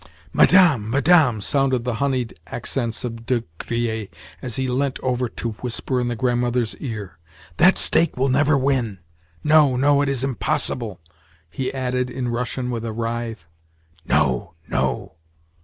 "Madame, Madame," sounded the honeyed accents of De Griers as he leant over to whisper in the Grandmother's ear. "That stake will never win. No, no, it is impossible," he added in Russian with a writhe. "No, no!"